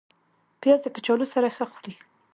پیاز د کچالو سره ښه خوري